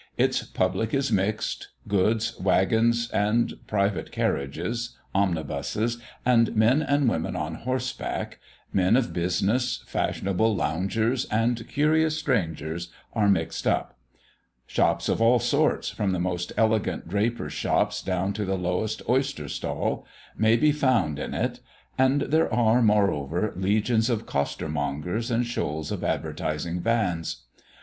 Its public is mixed; goods, waggons, and private carriages, omnibuses, and men and women on horseback, men of business, fashionable loungers, and curious strangers, are mixed up; shops of all sorts, from the most elegant drapers' shops down to the lowest oyster stall, may be found in it; and there are, moreover, legions of costermongers, and shoals of advertising vans.